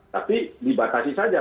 tapi dibatasi saja